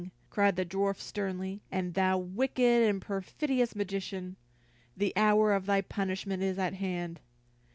cried the dwarf sternly, "and thou, wicked and perfidious magician, the hour of thy punishment is at hand."